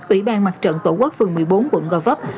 ủy ban mặt trận tổ quốc phường một mươi bốn quận gò vấp